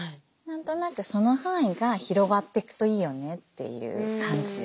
何となくその範囲が広がっていくといいよねっていう感じです。